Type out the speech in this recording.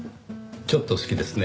ちょっと好きですね。